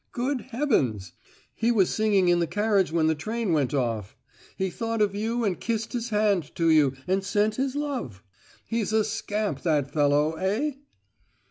Good heavens! he was singing in the carriage when the train went off! He thought of you, and kissed his hand to you, and sent his love. He's a scamp, that fellow, eh?"